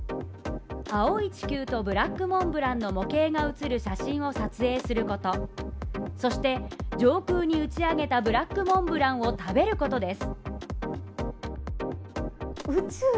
青い地球とブラックモンブランの模型が写る写真を撮影すること、そして、上空に打ち上げたブラックモンブランを食べることです。